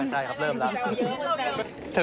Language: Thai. ใช่ครับอักยบรัก